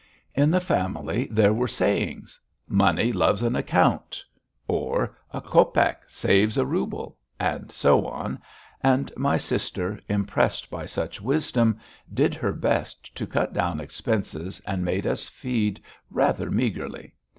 In the family there were sayings: "Money loves an account," or "A copeck saves a rouble," and so on, and my sister, impressed by such wisdom, did her best to cut down expenses and made us feed rather meagrely.